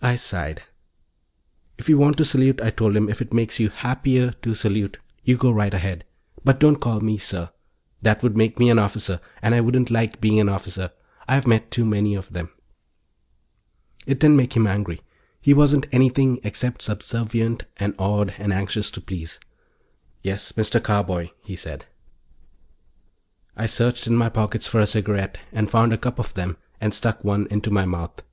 I sighed. "If you want to salute," I told him, "if it makes you happier to salute, you go right ahead. But don't call me 'Sir.' That would make me an officer, and I wouldn't like being an officer. I've met too many of them." It didn't make him angry. He wasn't anything except subservient and awed and anxious to please. "Yes, Mr. Carboy," he said. I searched in my pockets for a cigarette and found a cup of them and stuck one into my mouth.